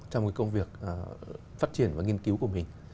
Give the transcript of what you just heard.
trong công việc phát triển và nghiên cứu của mình